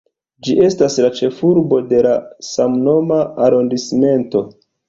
Ĝi estas la ĉefurbo de la samnoma arondismento.